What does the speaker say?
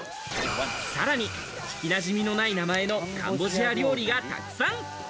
さらに、聞きなじみのない名前のカンボジア料理がたくさん。